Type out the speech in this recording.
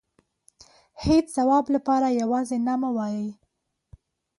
هيچ ځواب لپاره يوازې نه مه وايئ .